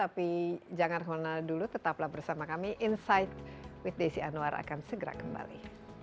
tapi jangan kemana mana dulu tetaplah bersama kami insight with desi anwar akan segera kembali